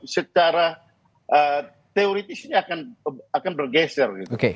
secara teori disini akan bergeser gitu